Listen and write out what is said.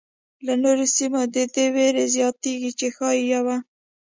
او نورو سیمو کې د دې وېره زیاتېږي چې ښايي یوه.